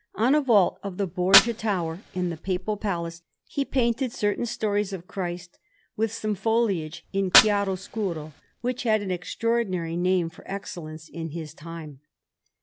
On a vault of the Borgia Tower in the Papal Palace he painted certain stories of Christ, with some foliage in chiaroscuro, which had an extraordinary name for excellence in his time.